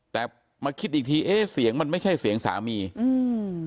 แต่มาคิดอีกทีเอ๊ะเสียงมันไม่ใช่เสียงสามีอืม